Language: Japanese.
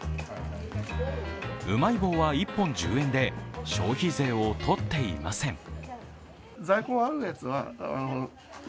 うまい棒は１本１０円で、消費税を取っていません。